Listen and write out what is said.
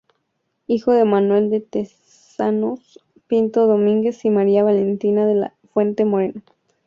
Hijo de Manuel de Tezanos Pinto Domínguez y María Valentina de la Fuente Moreno.